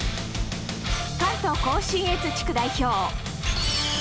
関東甲信越地区代表